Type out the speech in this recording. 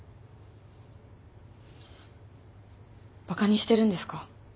バカにしてるんですか？